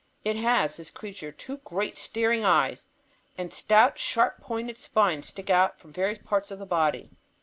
It has, this creature, two great staring eyes, and stout, sharp pointed spines stick out from various parts of the body.